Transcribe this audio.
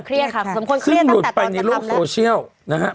ก็สมควรเครียดซึ่งหลุดไปในรูปสโวเชียลล่ะ